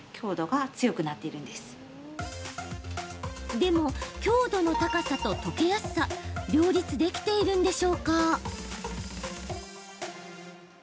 でも、強度の高さと溶けやすさ両立できているんでしょうか？